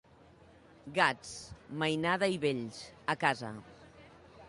Gats, mainada i vells, a casa.